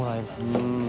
うん。